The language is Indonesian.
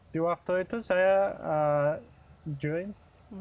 di waktu itu saya join